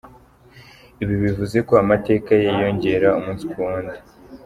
Ibi bivuze ko amateka ye yiyongera umunsi ku wundi.